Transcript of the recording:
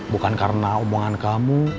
bukan karena hubungan kamu